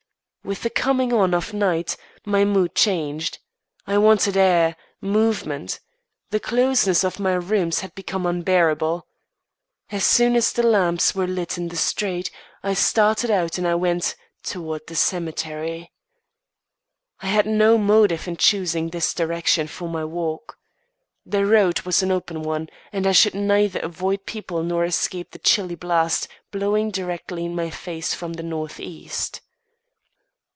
With the coming on of night, my mood changed. I wanted air, movement. The closeness of my rooms had become unbearable. As soon as the lamps were lit in the street, I started out and I went toward the cemetery. I had no motive in choosing this direction for my walk. The road was an open one, and I should neither avoid people nor escape the chilly blast blowing directly in my face from the northeast.